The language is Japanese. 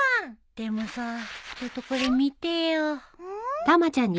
でもさちょっとこれ見てよ。